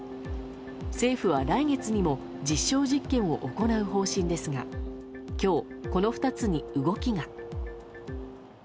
政府は来月にも実証実験を行う方針ですが今日、この２つに動きが。